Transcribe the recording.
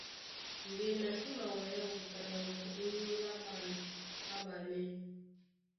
Ndé na sí mawɛlɛ́ wuta lambo ónyólá ɓân ɓáɓanɛ́.